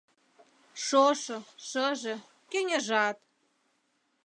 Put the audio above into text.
Шошо, шыже, кеҥежат.